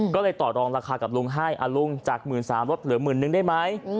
ก็เลยต่อรองราคากับลุงให้ลุงจาก๑๓๐๐ลดเหลือหมื่นนึงได้ไหม